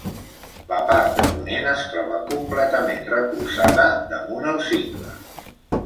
La part de ponent es troba completament recolzada damunt el cingle.